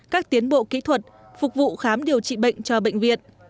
các tiến bộ kỹ thuật phục vụ khám điều trị bệnh cho bệnh viện